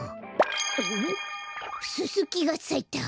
ススキがさいた！